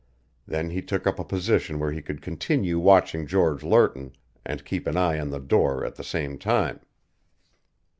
Then he took up a position where he could continue watching George Lerton and keep an eye on the door at the same time.